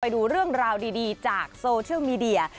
ดูเรื่องราวดีจากโซเชียลมีเดีย